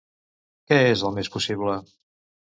Què és, el més possible?